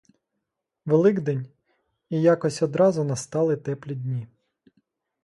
Великдень — і якось одразу настали теплі дні.